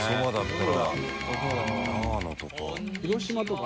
長野とか。